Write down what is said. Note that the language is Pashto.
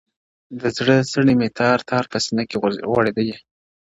د زړه څڼي مي تار ؛تار په سينه کي غوړيدلي؛